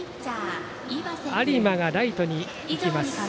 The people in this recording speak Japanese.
有馬がライトにいきます。